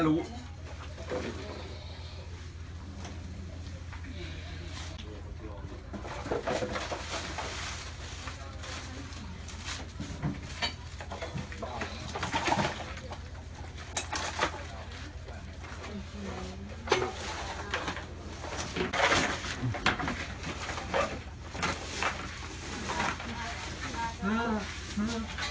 อันตัวให้พอออกมากเป็นวิธีต้อนรับละ